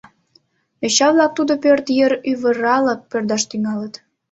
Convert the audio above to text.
Йоча-влак тудо пӧрт йыр ӱвырала пӧрдаш тӱҥалыт.